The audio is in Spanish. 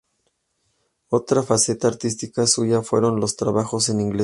Otra faceta artística suya fueron los trabajos en iglesias.